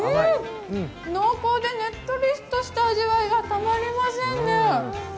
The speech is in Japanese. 濃厚でねっとりとした味わいがたまりませんね。